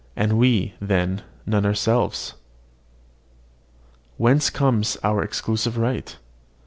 And have we, then, none ourselves? Whence comes our exclusive right?